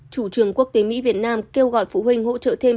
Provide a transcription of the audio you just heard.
chủ trường quốc tế mỹ việt nam kêu gọi phụ huynh hỗ trợ thêm